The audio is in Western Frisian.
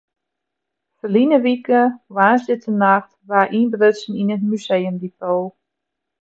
Ferline wike woansdeitenacht waard ynbrutsen yn it museumdepot.